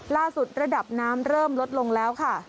ระดับน้ำเริ่มลดลงแล้วค่ะ